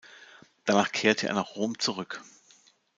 Danach kehrte er nach Rom zurück.